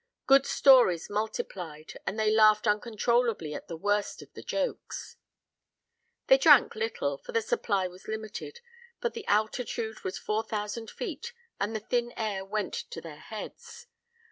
Good stories multiplied, and they laughed uncontrollably at the worst of the jokes. They drank little, for the supply was limited, but the altitude was four thousand feet and the thin light air went to their heads.